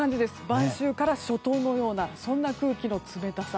晩秋から初冬のようなそんな空気の冷たさ。